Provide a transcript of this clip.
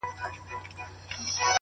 اوس دي لا د حسن مرحله راغلې نه ده ـ